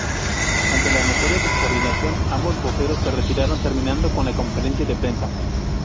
Ante la notoria descoordinación, ambos voceros se retiraron terminando con la conferencia de prensa.